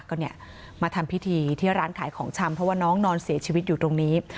ก็เนี่ยมาทำพิธีที่ร้านขายของชำเพราะว่าน้องนอนเสียชีวิตอยู่ตรงนี้